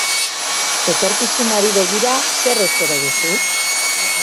Etorkizunari begira, zer espero duzu?